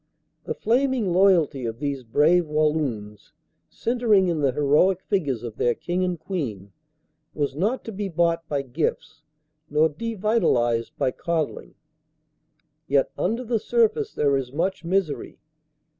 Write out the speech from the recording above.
The flaming loyalty of these brave Walloons, centering in the heroic figures of their King and Queen, was not to be bought by gifts nor devitalised by coddling. Yet under the surface there is much misery.